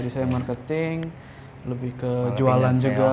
jadi saya marketing lebih ke jualan juga